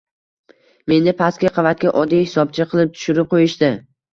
Meni pastki qavatga, oddiy hisobchi qilib tushirib qo`yishdi